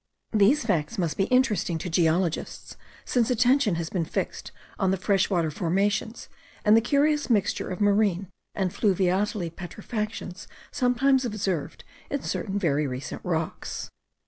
These facts must be interesting to geologists, since attention has been fixed on the fresh water formations, and the curious mixture of marine and fluviatile petrifactions sometimes observed in certain very recent rocks.